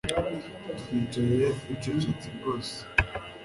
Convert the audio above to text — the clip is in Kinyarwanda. Twicaye ducecetse rwose